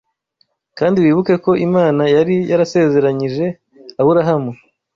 Kandi wibuke ko Imana yari yarasezeranyije Aburahamu